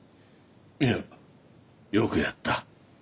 いやよくやった。